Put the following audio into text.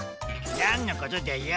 なんのことだよ？